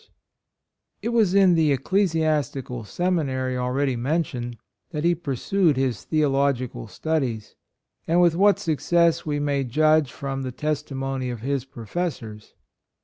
44 AN ECCLESIASTIC, It was in the ecclesiastical semi nary already mentioned, that he pursued his theological studies, and with what success we may judge from the testimony of his profes sors.